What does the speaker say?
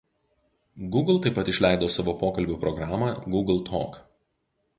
Google taip pat išleido savo pokalbių programą Google Talk.